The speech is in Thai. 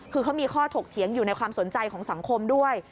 คือเขามีข้อถกเถียงอยู่ในความสนใจของสังคมด้วย